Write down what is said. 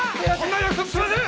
すいません！